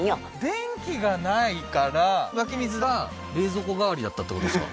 電気が無いから湧き水が冷蔵庫代わりだったってことですか？